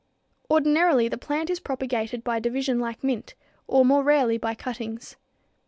Ordinarily the plant is propagated by division like mint, or more rarely by cuttings.